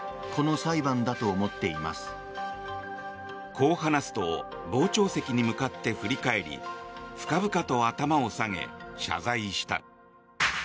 こう話すと傍聴席に向かって振り返り深々と頭を下げ、謝罪した。